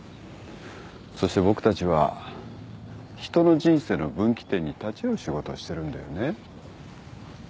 そして僕たちは人の人生の分岐点に立ち会う仕事をしてるんだよね。